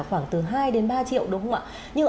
khoảng từ hai đến ba triệu đúng không ạ